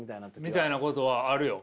みたいなことはあるよ。